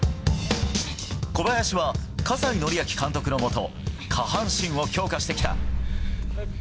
小林は、葛西紀明監督のもと下半身を強化してきた。